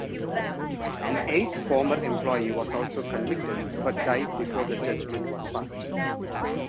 An eighth former employee was also convicted, but died before the judgement was passed.